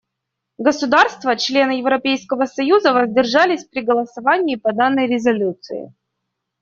Государства — члены Европейского союза воздержались при голосовании по данной резолюции.